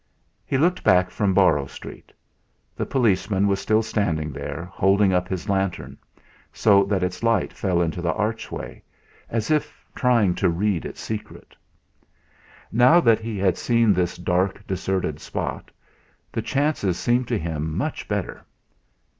He looked back from Borrow Street. The policeman was still standing there holding up his lantern, so that its light fell into the archway, as if trying to read its secret. Now that he had seen this dark, deserted spot, the chances seemed to him much better.